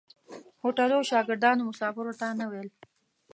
هوټلو شاګردانو مسافرو ته نه ویل.